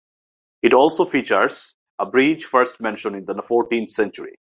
It also features a bridge first mentioned in the fourteenth century.